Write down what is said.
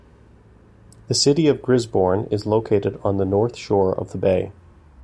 The city of Gisborne is located on the northern shore of the bay.